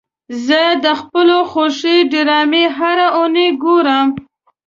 زه د خپلو خوښې ډرامې هره اونۍ ګورم.